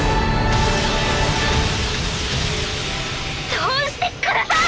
通してください！